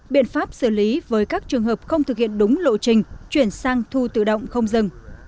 biện pháp xử lý với các trường hợp không thực hiện đúng lộ trình chuyển sang thu tự động không dừng